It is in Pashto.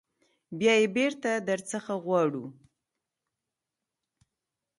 بیا یې بیرته در څخه غواړو.